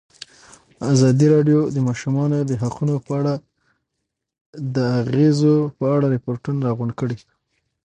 ازادي راډیو د د ماشومانو حقونه د اغېزو په اړه ریپوټونه راغونډ کړي.